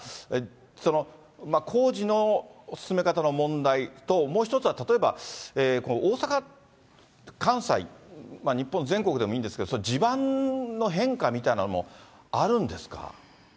その工事の進め方の問題と、もう一つは例えば、大阪、関西、日本全国でもいいんですけど、そういう地盤の変化みたいなのもあるんですか？